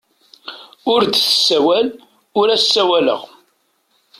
Ur d-tessawel, ur as-ssawleɣ.